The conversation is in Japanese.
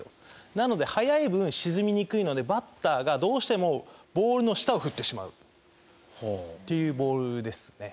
なので速い分沈みにくいのでバッターがどうしてもボールの下を振ってしまうっていうボールですね。